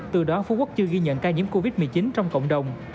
từ đó phú quốc chưa ghi nhận ca nhiễm covid một mươi chín trong cộng đồng